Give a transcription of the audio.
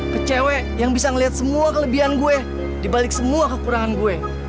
ke cewek yang bisa ngeliat semua kelebihan gue dibalik semua kekurangan gue